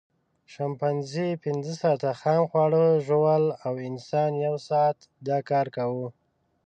شامپانزي پینځه ساعته خام خواړه ژوول او انسان یو ساعت دا کار کاوه.